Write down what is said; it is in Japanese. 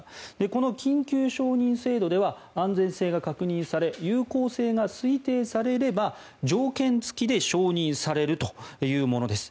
この緊急承認制度では安全性が確認され有効性が推定されれば条件付きで承認されるというものです。